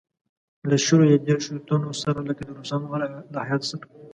له شلو یا دېرشوتنو سره لکه د روسانو له هیات سره.